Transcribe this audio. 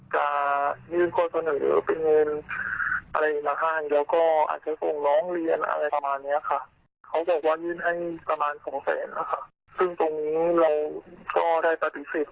ถึงถือสิ่กเข้าไปเลยว่าคลอดจะหน่วยงานให้ถึงดีสุด